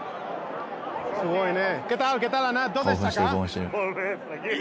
すごいね。